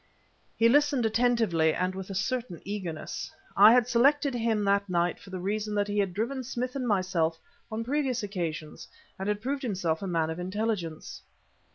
He listened attentively and with a certain eagerness. I had selected him that night for the reason that he had driven Smith and myself on previous occasions and had proved himself a man of intelligence.